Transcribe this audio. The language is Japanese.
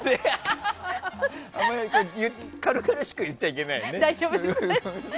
あんまり軽々しく言っちゃいけないよね。